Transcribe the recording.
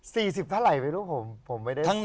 ชื่อรวมกัน